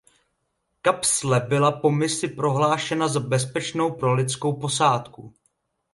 Kapsle byla po misi prohlášena za bezpečnou pro lidskou posádku.